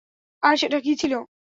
আর সেটা কি ছিল?